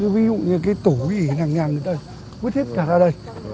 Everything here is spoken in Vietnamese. ví dụ như cái tổ gì nàng nàng người ta vứt hết cả ra đây